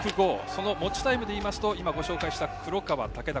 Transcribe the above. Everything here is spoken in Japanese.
その持ちタイムでいいますと今、ご紹介した黒川と竹田。